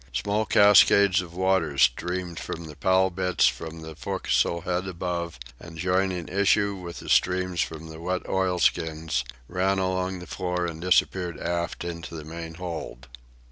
Small cascades of water streamed from the pall bits from the fo'castle head above, and, joining issue with the streams from the wet oilskins, ran along the floor and disappeared aft into the main hold.